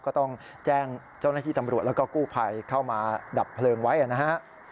ก็ต้องแจ้งเจ้าหน้าที่ตำรวจแล้วก็กู้ภัยเข้ามาดับเพลิงไว้นะฮะ